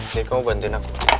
jadi kamu bantuin aku